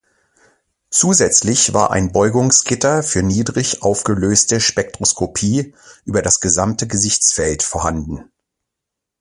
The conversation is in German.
Zusätzlich war ein Beugungsgitter für niedrig aufgelöste Spektroskopie über das gesamte Gesichtsfeld vorhanden.